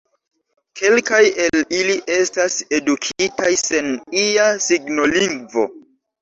Kelkaj el ili estas edukitaj sen ia signolingvo.